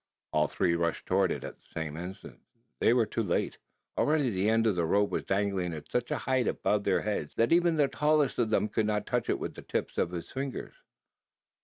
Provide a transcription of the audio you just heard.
All three rushed towards it at the same instant. They were too late. Already the end of the rope was dangling at such a height above their heads, that even the tallest of them could not touch it with the tips of his fingers.